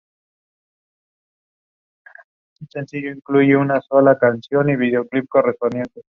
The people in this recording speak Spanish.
Se expresa en segundos de arco.